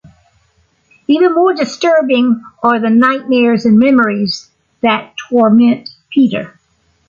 Even more disturbing are the nightmares and memories that torment Peter.